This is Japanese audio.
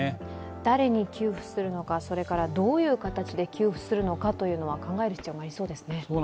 誰に給付するのか、どういう形で給付するのかというのは考える必要がありそうですね。